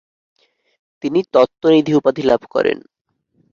তিনি তত্ত্বনিধি উপাধি লাভ করেন।